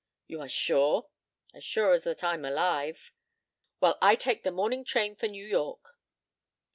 "You are sure?" "As sure as that I'm alive." "Well, I take the morning train for New York."